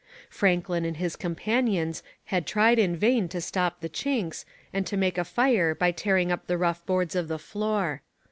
Franklin and his companions had tried in vain to stop the chinks and to make a fire by tearing up the rough boards of the floor.